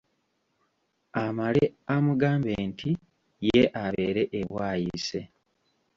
Amale amugambe nti ye abeere e Bwaise.